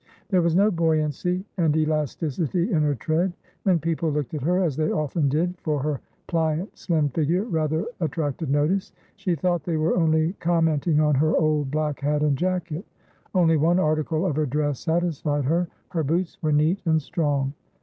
There was no buoyancy and elasticity in her tread. When people looked at her, as they often did, for her pliant, slim figure rather attracted notice, she thought they were only commenting on her old black hat and jacket. Only one article of her dress satisfied her; her boots were neat and strong.